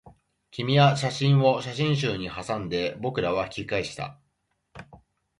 君は写真を写真集にはさんで、僕らは引き返した